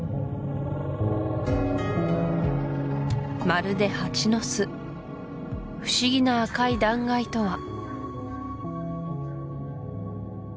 まるでハチの巣不思議な赤い断崖とは？